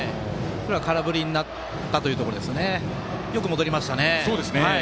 空振りになったというところランナー、よく戻りましたね。